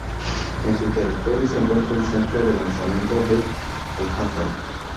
En su territorio se encuentra el Centro de Lanzamiento de Alcántara.